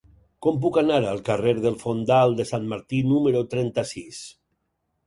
Com puc anar al carrer del Fondal de Sant Martí número trenta-sis?